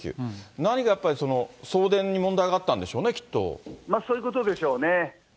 何かやっぱり、送電に問題があっそういうことでしょうね。